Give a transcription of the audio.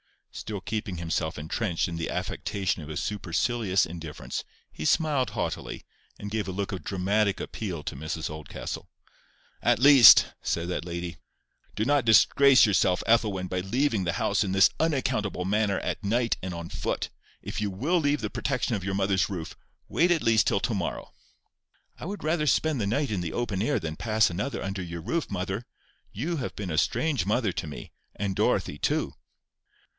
Still keeping himself entrenched in the affectation of a supercilious indifference, he smiled haughtily, and gave a look of dramatic appeal to Mrs Oldcastle. "At least," said that lady, "do not disgrace yourself, Ethelwyn, by leaving the house in this unaccountable manner at night and on foot. If you WILL leave the protection of your mother's roof, wait at least till tomorrow." "I would rather spend the night in the open air than pass another under your roof, mother. You have been a strange mother to me—and Dorothy too!"